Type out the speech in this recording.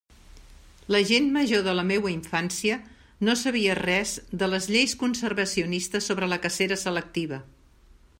La gent major de la meua infància no sabia res de les lleis conservacionistes sobre la cacera selectiva.